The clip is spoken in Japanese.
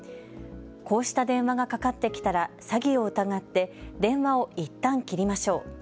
こうした電話がかかってきたら詐欺を疑って電話をいったん切りましょう。